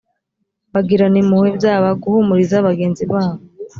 bagirana impuhwe byaba guhumuriza bagenzi babo